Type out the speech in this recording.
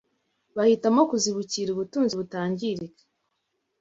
bahitamo kuzibukira ubutunzi butangirika